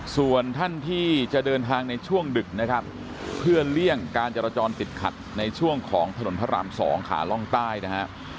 ส่วนท่านที่จะเดินทางในช่วงดึกนะครับเพื่อเลี่ยงการจราจรติดขัดในช่วงของถนนพระราม๒ขาล่องใต้นะฮะ